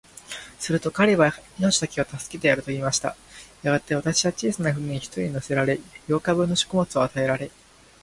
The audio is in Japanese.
すると彼は、命だけは助けてやる、と言いました。やがて、私は小さな舟に一人乗せられ、八日分の食物を与えられ、